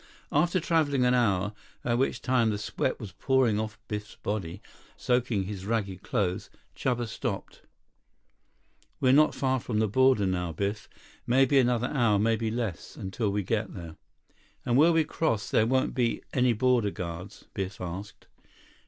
After traveling an hour, by which time the sweat was pouring off Biff's body, soaking his ragged clothes, Chuba stopped. "We're not far from border now, Biff. Maybe another hour, maybe less, until we get there." "And where we cross there won't be any border guards?" Biff asked.